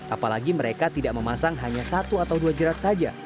apalagi mereka tidak memasang hanya satu atau dua jerat saja